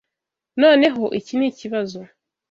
Noneho, iki nikibazo.